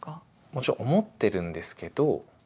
もちろん思ってるんですけど。